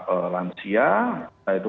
ee lansia entah itu